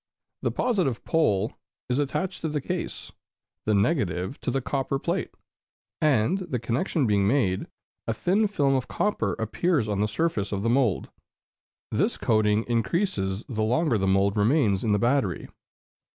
The positive pole is attached to the case, the negative to the copper plate; and the connection being made, a thin film of copper appears on the surface of the mould. This coating increases the longer the mould remains in the battery.